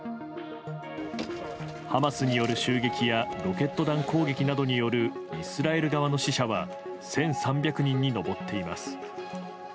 ハマスによる襲撃やロケット弾攻撃などによるイスラエル側の死者は１３００人に上っています。